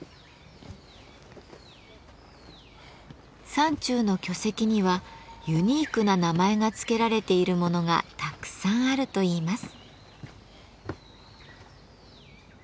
山中の巨石にはユニークな名前が付けられているものがたくさんあるといいます。